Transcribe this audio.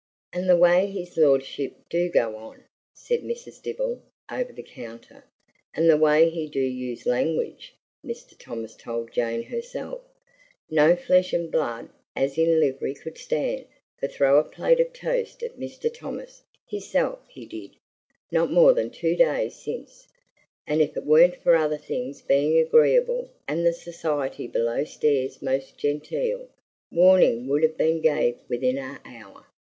"And the way his lordship do go on!" said Mrs. Dibble, over the counter, "and the way he do use language, Mr. Thomas told Jane herself, no flesh and blood as is in livery could stand for throw a plate of toast at Mr. Thomas, hisself, he did, not more than two days since, and if it weren't for other things being agreeable and the society below stairs most genteel, warning would have been gave within a' hour!"